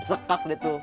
sekak deh tuh